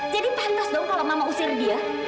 jadi pantas dong kalau mama usir dia